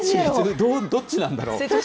どっちなんだろう。